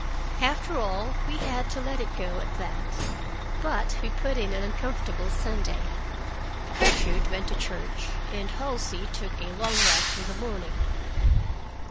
After all, we had to let it go at that, but we put in an uncomfortable Sunday. Gertrude went to church, and Halsey took a long walk in the morning.